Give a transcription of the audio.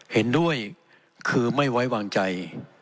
เห็นด้วยคือไม่ไว้วางใจ